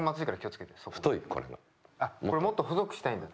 あっこれもっと細くしたいんだ。